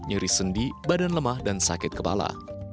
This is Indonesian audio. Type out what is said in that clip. nyeri sendi badan lemah dan sakit kepala